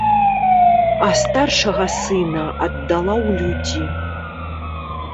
А старшага сына аддала ў людзі.